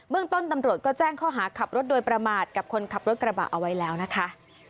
เมืองต้นตำรวจก็แจ้งข้อหาขับรถโดยประมาทกับคนขับรถกระบะเอาไว้แล้วนะคะ